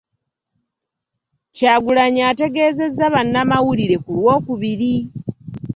Kyagulanyi ategeezezza bannamawulire ku Lwokubiri.